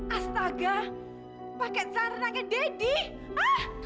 astaga pake zarangnya daddy